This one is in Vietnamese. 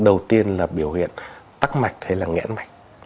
đầu tiên là biểu hiện tắc mạch hay là ngẽn mạch